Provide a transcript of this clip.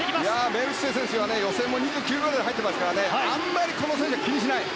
メイルティテ選手は予選も２９秒台で入ってますからあまりこの選手は気にしない。